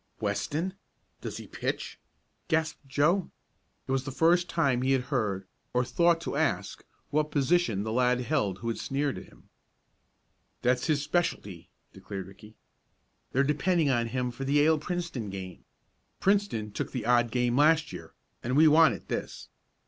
"Weston does he pitch?" gasped Joe. It was the first time he had heard or thought to ask what position the lad held who had sneered at him. "That's his specialty," declared Ricky. "They're depending on him for the Yale Princeton game. Princeton took the odd game last year, and we want it this."